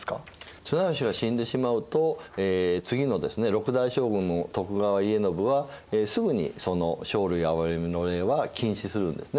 綱吉が死んでしまうと次の６代将軍の徳川家宣はすぐに生類憐みの令は禁止するんですね。